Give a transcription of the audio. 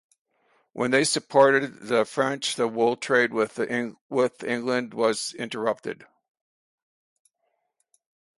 When they supported the French, the wool trade with England was interrupted.